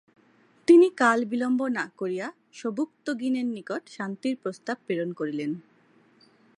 তিনি কালবিলম্ব না করিয়া সবুক্তগীনের নিকট শান্তির প্রস্তাব প্রেরণ করিলেন।